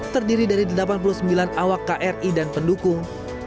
terdiri dari delapan puluh sembilan awak kri dan pendukung